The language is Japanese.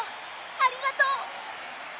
ありがとう！